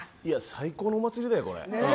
最高のお祭りだよ、これ。